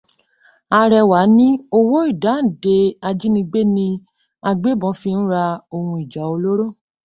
Arẹwà ní owó ìdáǹdè ìjínigbé ni agbébọn fi ń ra ohun ìjà olóró.